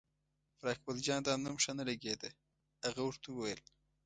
پر اکبرجان دا نوم ښه نه لګېده، هغه ورته وویل.